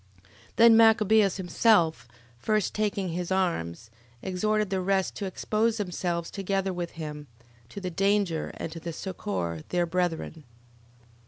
11:7. Then Machabeus himself first taking his arms, exhorted the rest to expose themselves together with him, to the danger, and to succour their brethren.